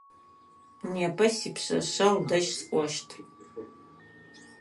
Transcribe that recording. Непэ сипшъэшъэгъу дэжь сыкӏощт.